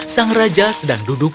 sang raja sedang duduk di rumahnya